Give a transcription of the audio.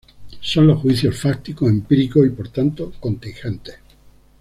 Son los juicios fácticos, empíricos y por tanto contingentes.